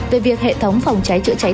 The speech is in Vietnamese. về việc hệ thống phòng cháy chữa cháy